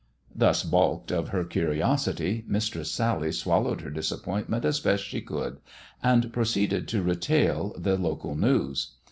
Thus baulked of her curiosity, Mistress Sally swallowed her disappointment as best she could, and proceeded to retail the local news.